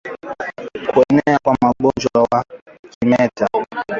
Kuenea kwa ugonjwa wa kimeta